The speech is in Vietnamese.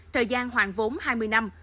thời gian hoàn vốn hai mươi năm